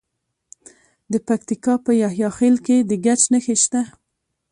د پکتیکا په یحیی خیل کې د ګچ نښې شته.